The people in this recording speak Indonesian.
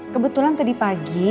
kebetulan tadi pagi